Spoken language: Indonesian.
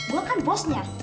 gue kan bosnya